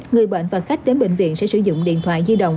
người bệnh và khách đến bệnh viện sẽ sử dụng điện thoại di động